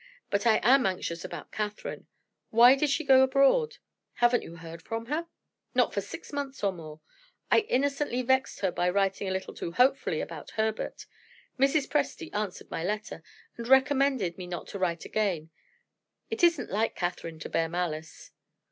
But I am anxious about Catherine. Why did she go abroad?" "Haven't you heard from her?" "Not for six months or more. I innocently vexed her by writing a little too hopefully about Herbert. Mrs. Presty answered my letter, and recommended me not to write again. It isn't like Catherine to bear malice."